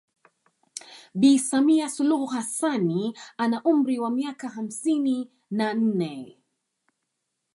Bi Samia Suluhu Hassanni ana umri wa miaka hamsini na nne